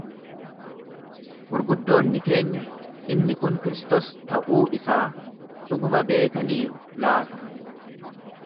Gurguddoonni keenya inni kun Kristos ta’uu isaa dhuguma beekaniiru laata?